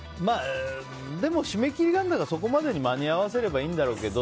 でも、締め切りがあるんだからそこまでに間に合わせればいいんだろうけど。